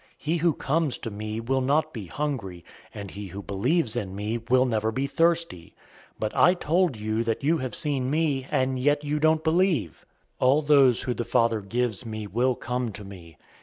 He who comes to me will not be hungry, and he who believes in me will never be thirsty. 006:036 But I told you that you have seen me, and yet you don't believe. 006:037 All those who the Father gives me will come to me.